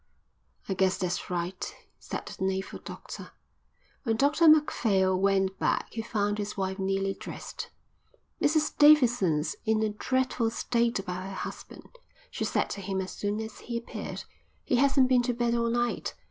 "I guess that's right," said the naval doctor. When Dr Macphail went back he found his wife nearly dressed. "Mrs Davidson's in a dreadful state about her husband," she said to him as soon as he appeared. "He hasn't been to bed all night.